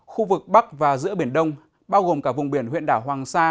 khu vực bắc và giữa biển đông bao gồm cả vùng biển huyện đảo hoàng sa